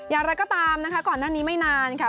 อย่างไรก็ตามนะคะก่อนหน้านี้ไม่นานค่ะ